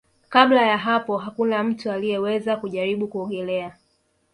Kabla ya hapo hakuna mtu aliyeweza kujaribu kuogelea